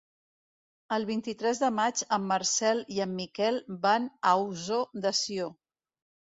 El vint-i-tres de maig en Marcel i en Miquel van a Ossó de Sió.